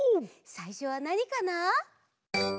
さいしょはなにかな？